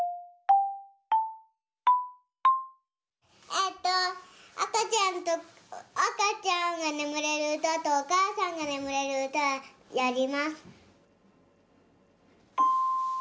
えっとあかちゃんとあかちゃんがねむれるうたとおかあさんがねむれるうたやります。